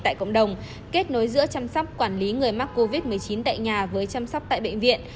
tại cộng đồng kết nối giữa chăm sóc quản lý người mắc covid một mươi chín tại nhà với chăm sóc tại bệnh viện